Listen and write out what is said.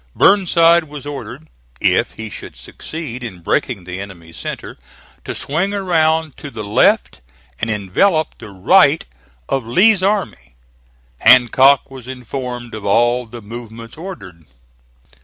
Burnside was ordered if he should succeed in breaking the enemy's centre, to swing around to the left and envelop the right of Lee's army. Hancock was informed of all the movements ordered.